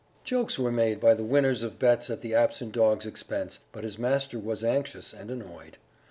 Jokes were made by the winners of bets at the absent dog's expense, but his master was anxious and annoyed.